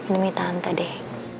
demi tante deh